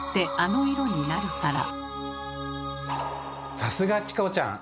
さすがチコちゃん！